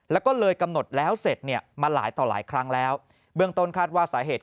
แล้วก็เลยกำหนดแล้วเสร็จเนี่ยมาหลายต่อหลายครั้งแล้วเบื้องต้นคาดว่าสาเหตุ